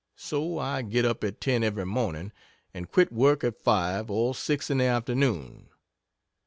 So I get up at ten every morning, and quit work at five or six in the afternoon.